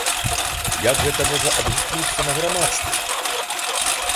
Як гэта можа адгукнуцца на грамадстве?